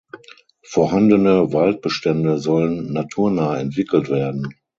Vorhandene Waldbestände sollen naturnah entwickelt werden.